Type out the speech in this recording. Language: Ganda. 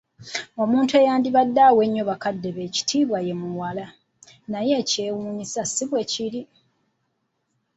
Omuntu eyandibadde awa ennyo bakadde be ekitiiba ye muwala, naye ekyewuunyisa si bwe guli!